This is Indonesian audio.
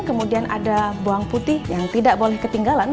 kemudian ada bawang putih yang tidak boleh ketinggalan